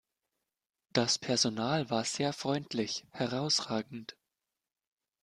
Das Personal war sehr freundlich, herrausragend!